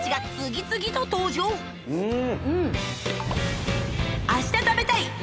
うん。